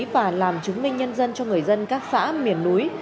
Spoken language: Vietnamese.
và làm chứng minh nhân dân cho người dân các xã miền núi